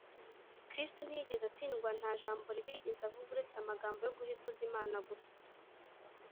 kristo ntiyigeze atsindwa nta jambo ribi yigeze avuga uretse amagambo yo guha ikuzo imana gusa